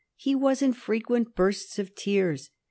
He was in frequent bursts of tears.